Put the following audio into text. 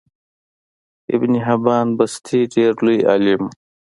ابن حبان بستي ډیر لوی عالم وو